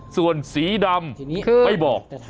ส่วนสีดำไม่บอก